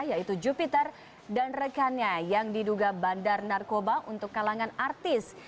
yaitu jupiter dan rekannya yang diduga bandar narkoba untuk kalangan artis